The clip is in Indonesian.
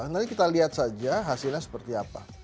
nanti kita lihat saja hasilnya seperti apa